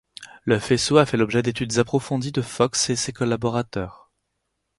Le faisceau a fait l'objet d'études approfondies de Fox et ses collaborateurs.